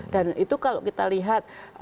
dan itu kalau kita lihat